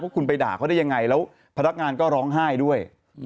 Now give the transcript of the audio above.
คุณไปด่าเขาได้ยังไงแล้วพนักงานก็ร้องไห้ด้วย